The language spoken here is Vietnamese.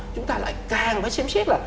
chúng ta lại càng phải xem xét là